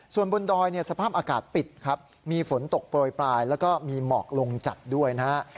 ส่วนบนดอยเนี่ยสภาพอากาศปิดครับมีฝนตกโปรยปลายแล้วก็มีหมอกลงจัดด้วยนะฮะ